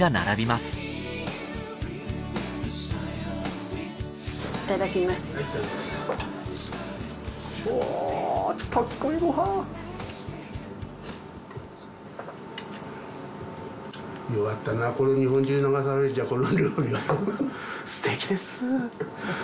すてきです。